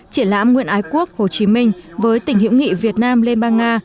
chỉ lãm nguyện ái quốc hồ chí minh với tình hữu nghị việt nam lemba nga